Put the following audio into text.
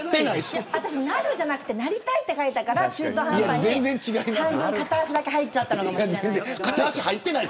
私なるじゃなくてなりたいって書いたから中途半端に半分、片脚だけ入っちゃったみたいな。